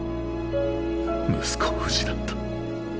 息子を失った。